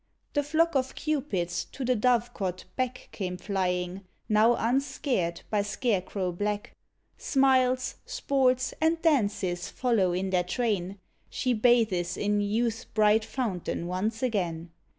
The flock of Cupids to the dovecot back Came flying, now unscared by scarecrow black. Smiles, sports, and dances follow in their train, She bathes in youth's bright fountain once again.